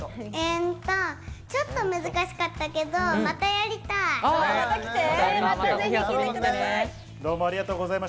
ちょっと難しかったけど、またやりたい。